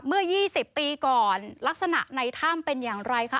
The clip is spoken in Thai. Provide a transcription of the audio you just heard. เมื่อ๒๐ปีก่อนลักษณะในถ้ำเป็นอย่างไรคะ